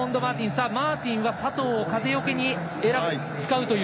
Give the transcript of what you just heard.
さあマーティンは佐藤を風よけに使うという。